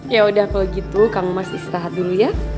yaudah kalau gitu kang mas istirahat dulu ya